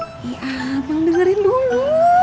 iya abang dengerin dulu